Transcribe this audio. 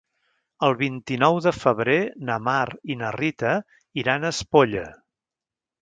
El vint-i-nou de febrer na Mar i na Rita iran a Espolla.